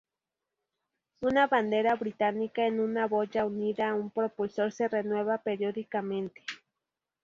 Una bandera británica en una boya unida a un propulsor se renueva periódicamente.